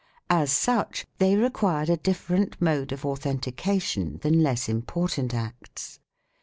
As such, they required a different mode of authentication than less important acts.